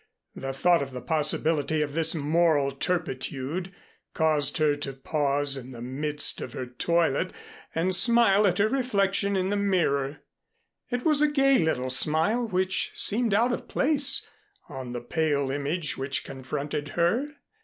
The thought of the possibility of this moral turpitude caused her to pause in the midst of her toilet and smile at her reflection in the mirror. It was a gay little smile which seemed out of place on the pale image which confronted her.